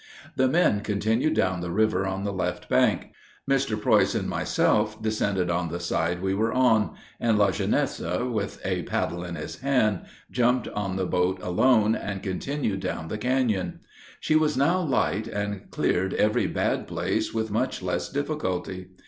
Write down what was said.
The men continued down the river on the left bank. Mr. Preuss and myself descended on the side we were on; and Lajeunesse, with a paddle in his hand, jumped on the boat alone, and continued down the canon. She was now light, and cleared every bad place with much less difficulty.